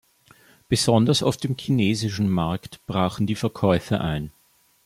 Besonders auf dem chinesischen Markt brachen die Verkäufe ein.